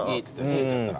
冷えちゃったら。